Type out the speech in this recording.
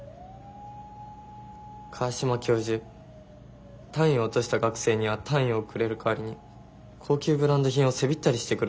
川島教授単位を落とした学生には単位をくれる代わりに高級ブランド品をせびったりしてくるんですよ